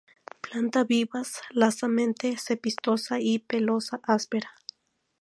Planta vivaz, laxamente cespitosa y pelosa áspera.